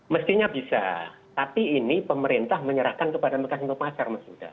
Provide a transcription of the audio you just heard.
mestinya bisa tapi ini pemerintah menyerahkan kepada mekanik pemasar mas uda